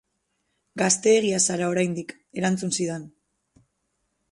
Gazteegia zara oraindik, erantzun zidan.